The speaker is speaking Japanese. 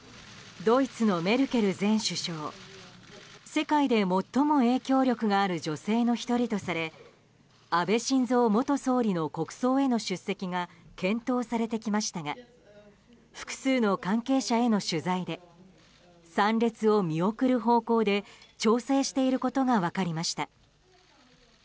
世界で最も影響力がある女性の１人とされ安倍晋三元総理の国葬への出席が検討されてきましたが複数の関係者への取材で参列を見送る方向で調整していることが分かりました。